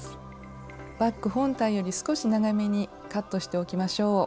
バッグ本体より少し長めにカットしておきましょう。